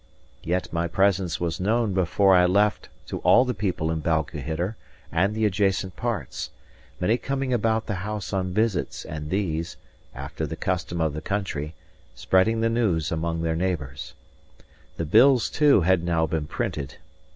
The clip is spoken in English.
Yet my presence was known before I left to all the people in Balquhidder and the adjacent parts; many coming about the house on visits and these (after the custom of the country) spreading the news among their neighbours. The bills, too, had now been printed.